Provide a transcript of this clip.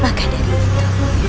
maka dari itu